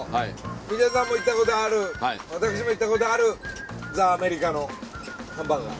水谷さんも行った事ある私も行った事あるザアメリカのハンバーガー。